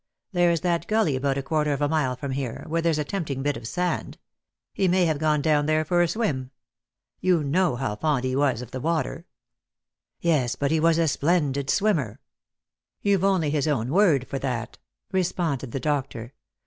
There's that gully about a quarter of a mile from here, where there's a tempting bit of sand. He may have gone down there for a swim. You know how fond he was of the water." " Yes, but he was a splendid swimmer." " You've only his own word for that," responded the doctor.